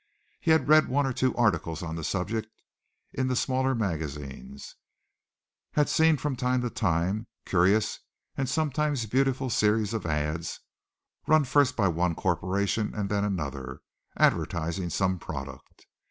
He had read one or two articles on the subject in the smaller magazines, had seen from time to time curious and sometimes beautiful series of ads run by first one corporation and then another, advertising some product.